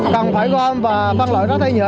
cần phải gom và phân loại rác thải nhựa